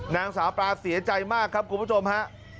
นางสาวปลาเสียใจมากครับคุณผู้ชมฮะ